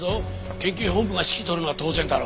県警本部が指揮執るのは当然だろ。